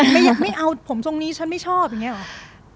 ไม่เอาผมทรงนี้ฉันไม่ชอบอย่างนี้หรอ